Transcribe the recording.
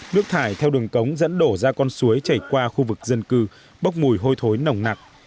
nước thải theo đường cống dẫn đổ ra con suối chảy qua khu vực dân cư bốc mùi hôi thối nồng nặc